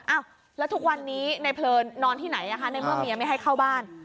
อ้าวแล้วทุกวันนี้ในเพลินนอนที่ไหนในเมื่อเมียไม่ให้เข้าบ้าน